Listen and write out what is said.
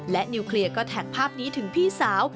และนิวเคลียร์ก็แท็กภาพนี้ถึงพี่สาว